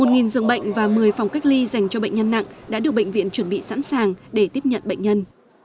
một giường bệnh và một mươi phòng cách ly dành cho bệnh nhân nặng đã được bệnh viện chuẩn bị sẵn sàng để tiếp nhận bệnh nhân